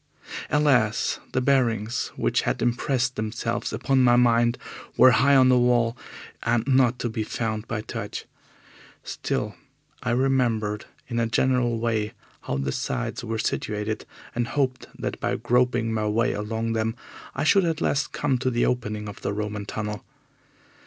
Alas! the bearings which had impressed themselves upon my mind were high on the wall, and not to be found by touch. Still, I remembered in a general way how the sides were situated, and I hoped that by groping my way along them I should at last come to the opening of the Roman tunnel.